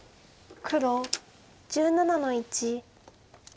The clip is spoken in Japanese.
黒１７の一。